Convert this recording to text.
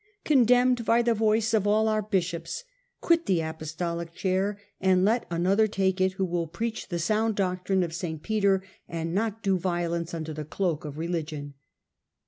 Con demned by the voice of all our bishops, quit the apos tolic chair, and let another take it, who will preach the sound doctrine of St. Peter, and not do violence under the cloak of religion.